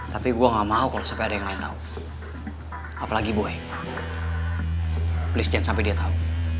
tapi gue gak mau kalau sampai ada yang lain tau apalagi boy please jangan sampai dia tau